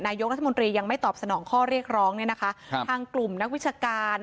นายกรัฐมนตรียังไม่ตอบสนองข้อเรียกร้องเนี่ยนะคะครับทางกลุ่มนักวิชาการ